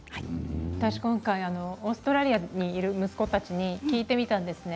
私も今回オーストラリアにいる息子たちに聞いてみたんですね。